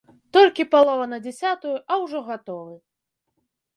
Толькі палова на дзясятую, а ўжо гатовы!